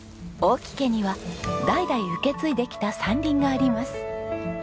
大木家には代々受け継いできた山林があります。